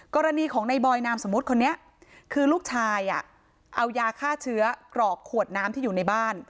กรณีของในบอยนามสมมุติคนนี้คือลูกชายเอายาฆ่าเชื้อกรอกขวดน้ำที่อยู่ในบ้าน